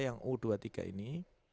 yang u dua puluh tiga ini